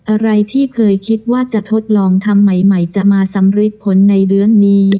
อะไรที่เคยคิดว่าจะทดลองทำใหม่จะมาสำริดผลในเรื่องนี้